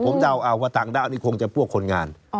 ผมเดาเอาว่าต่างด้าวนี่คงจะพวกคนงาน